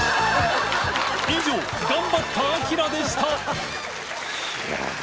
祕幣頑張ったアキラでした生瀬）